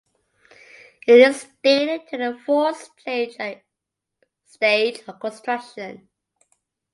It is dated to the fourth stage of construction.